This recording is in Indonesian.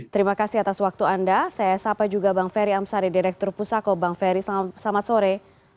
terima kasih atas waktu anda saya sapa juga bang ferry amsari direktur pusako bang ferry selamat sore